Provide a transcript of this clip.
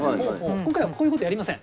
今回はこういう事やりません。